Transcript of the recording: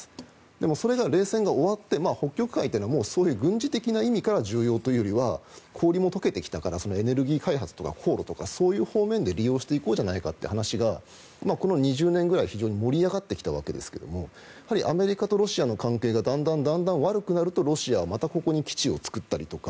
でも、それが冷戦が終わって北極海というのはそういう軍事的な意味から重要というより氷も解けてきたからそのエネルギー開発とか航路とかそういう方面で利用していこうじゃないかという話が、この２０年くらい非常に盛り上がってきたわけですがアメリカとロシアの関係がだんだん悪くなるとロシアはまたここに基地を作ったりとか